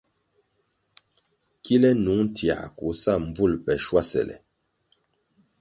Kile nung tiãh koh sa mbvul le schuasele.